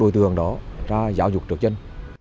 rồi đối tượng đó ra giáo dục trợ chân